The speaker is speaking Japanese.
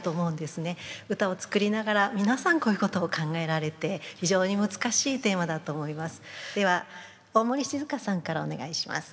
歌を作りながら皆さんこういうことを考えられて非常に難しいテーマだと思います。